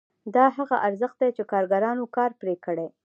دا هغه ارزښت دی چې کارګرانو کار پرې کړی